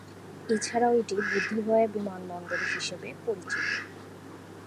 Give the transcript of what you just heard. এছাড়াও এটি বুদ্ধ গয়া বিমানবন্দর হিসাবে পরিচিত।